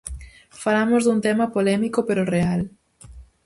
Falamos dun tema polémico, pero real.